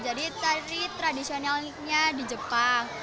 jadi tari tradisionalnya di jepang